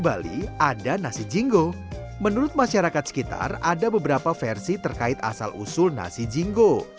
bali ada nasi jingo menurut masyarakat sekitar ada beberapa versi terkait asal usul nasi jingo